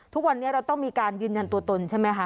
ทุกวันนี้เราต้องมีการยืนยันตัวตนใช่ไหมคะ